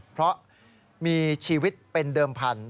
เพราะมีชีวิตเป็นเดิมพันธุ